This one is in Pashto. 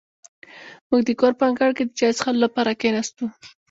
موږ د کور په انګړ کې د چای څښلو لپاره کېناستو.